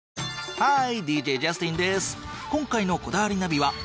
ハーイ！